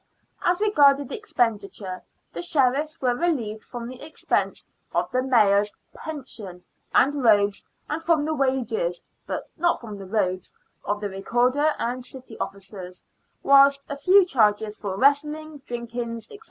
As re garded expenditure, the Sheriffs were relieved from the expense of the Mayor's " pension " and robes, and from the wages (but not from the robes) of the Recorder and city officers, whilst a few charges for wrestlings, drinkings, &c.